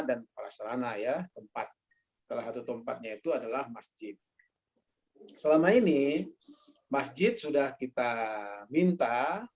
dan perasarana salah satu tempatnya itu adalah masjid selama ini masjid sudah kita minta